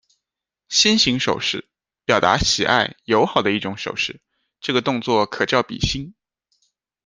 心形手势，表达喜爱、友好的一种手势，这个动作可叫比心。